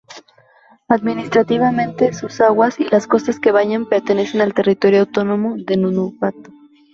Administrativamente, sus aguas y las costas que bañan pertenecen al territorio autónomo de Nunavut.